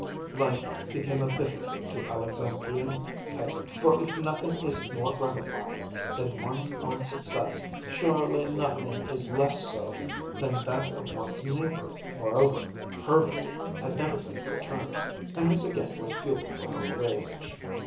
Life became a bitter thing to Alexandrine Caille, for if nothing is more gratifying than one's own success, surely nothing is less so than that of one's neighbour. Moreover, her visit had never been returned, and this again was fuel for her rage.